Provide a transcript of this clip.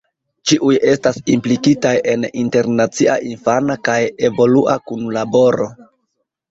Ĉiuj estas implikitaj en internacia infana kaj evolua kunlaboro.